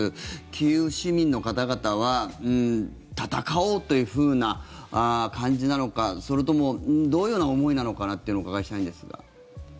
キーウ市民の方々は戦おうというふうな感じなのかそれともどのような思いなのかというのをお伺いしたいんですが。